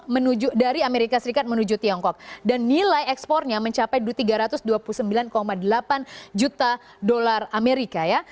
menuju dari amerika serikat menuju tiongkok dan nilai ekspornya mencapai tiga ratus dua puluh sembilan delapan juta dolar amerika ya